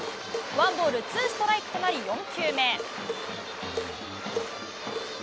ワンボールツーストライクとなり、４球目。